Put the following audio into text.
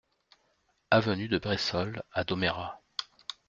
Avenue de Bressolles à Domérat